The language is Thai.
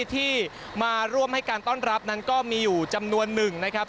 ที่มาร่วมให้การต้อนรับนั้นก็มีอยู่จำนวนหนึ่งนะครับ